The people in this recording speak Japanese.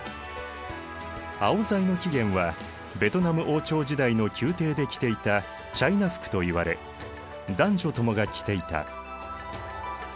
アオザイの起源はベトナム王朝時代の宮廷で着ていたチャイナ服といわれ男女ともが着ていた。